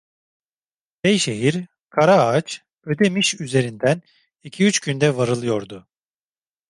Beyşehir, Karaağaç, Ödemiş üzerinden iki üç günde varılıyordu.